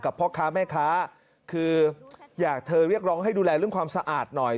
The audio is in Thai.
พ่อค้าแม่ค้าคืออยากเธอเรียกร้องให้ดูแลเรื่องความสะอาดหน่อย